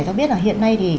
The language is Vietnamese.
cho biết là hiện nay